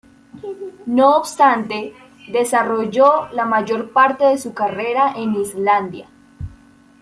No obstante, desarrolló la mayor parte de su carrera en Islandia.